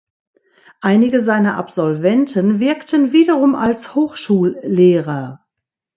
Einige seiner Absolventen wirkten wiederum als Hochschullehrer.